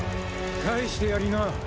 返してやりな。